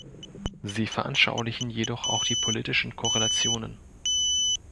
Sie veranschaulichen jedoch auch die politischen Korrelationen.